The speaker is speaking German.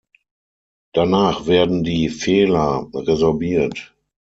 Danach werden die Vela resorbiert.